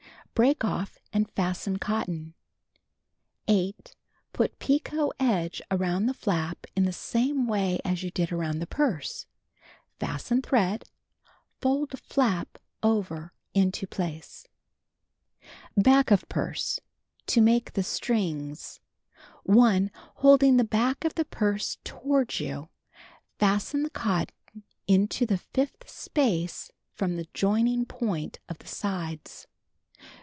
Break off and fasten cotton. 8. Put picot edge around the flap in the same way as you did around the purse. Fasten thread. Fold flap over into place. The Magic Paper 257 To Make the Strings: 1. Holding the back of the purse toward you, fasten the cotton into the fifth space from the joining point of the sides.